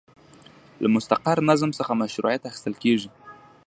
له مستقر نظم څخه مشروعیت اخیستل کیږي.